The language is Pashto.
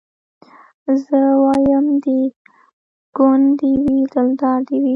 زه وايم د ګوند دي وي دلدار دي وي